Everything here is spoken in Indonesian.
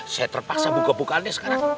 saya terpaksa buka bukaannya sekarang